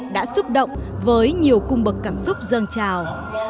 đã xúc động với nhiều cung bậc cảm xúc dân trào